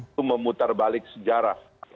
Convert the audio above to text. itu memutar balik sejarah